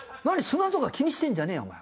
砂とか気にしてんじゃねえよお前！」。